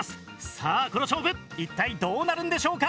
さあこの勝負一体どうなるんでしょうか？